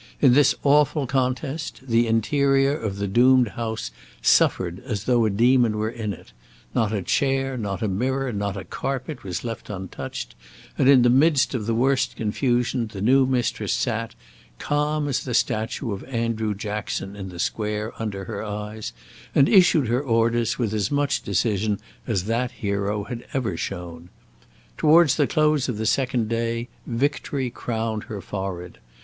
In this awful contest the interior of the doomed house suffered as though a demon were in it; not a chair, not a mirror, not a carpet, was left untouched, and in the midst of the worst confusion the new mistress sat, calm as the statue of Andrew Jackson in the square under her eyes, and issued her orders with as much decision as that hero had ever shown. Towards the close of the second day, victory crowned her forehead.